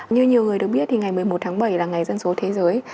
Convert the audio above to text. như nhiều người đều biết ngày một mươi một tháng bảy là ngày dân số thế giới